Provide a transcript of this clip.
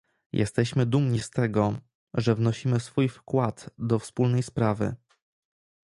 Jesteśmy dumni z tego, że wnosimy swój wkład do wspólnej sprawy